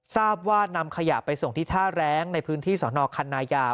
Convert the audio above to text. ทราบว่านำขยะไปส่งที่ท่าแรงในพื้นที่สนคันนายาว